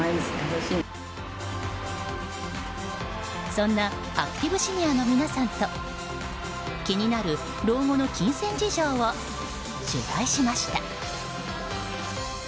そんなアクティブシニアの皆さんと気になる老後の金銭事情を取材しました。